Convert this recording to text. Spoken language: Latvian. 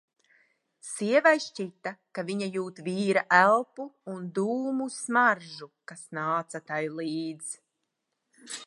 Sievai šķita, ka viņa jūt vīra elpu un dūmu smaržu, kas nāca tai līdz.